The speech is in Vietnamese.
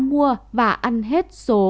mua và ăn hết số